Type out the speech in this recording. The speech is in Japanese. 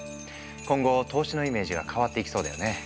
今後投資のイメージが変わっていきそうだよね。